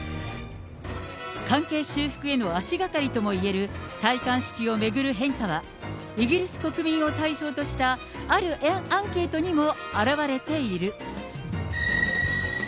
関係修復への足掛かりともいえる戴冠式を巡る変化は、イギリス国民を対象とした、あるアンケートにも表れている。